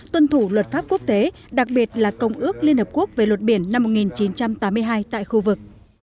tuân thủ luật pháp quốc tế đặc biệt là công ước liên hợp quốc về luật biển năm một nghìn chín trăm tám mươi hai tại khu vực